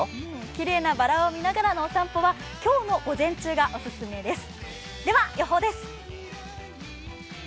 きれいなバラを見ながらのお散歩は今日の午前中がオススメです。